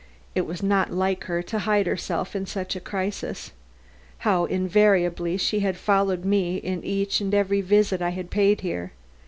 It was not like her to hide herself at such a crisis (how invariably she had followed me in each and every visit I had paid here!)